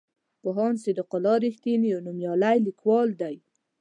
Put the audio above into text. پوهاند صدیق الله رښتین یو نومیالی لیکوال دی.